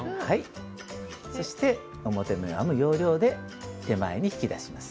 そして表目を編む要領で手前に引き出します。